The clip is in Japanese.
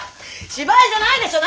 芝居じゃないでしょ